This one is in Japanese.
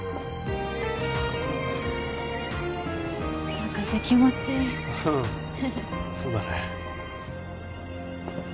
ああ風気持ちいいうんそうだね